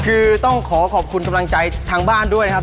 คือต้องขอขอบคุณกำลังใจทางบ้านด้วยนะครับ